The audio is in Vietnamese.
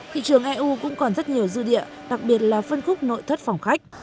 thị trường eu cũng còn rất nhiều dư địa đặc biệt là phân khúc nội thất phòng khách